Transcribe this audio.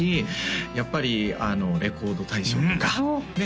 やっぱり「レコード大賞」とかね